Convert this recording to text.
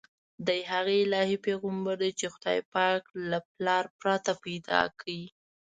دی هغه الهي پیغمبر دی چې خدای پاک له پلار پرته پیدا کړ.